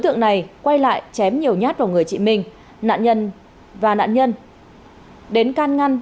tượng này quay lại chém nhiều nhát vào người chị minh nạn nhân và nạn nhân đến can ngăn